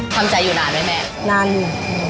ทำใจอยู่นานไหมแม่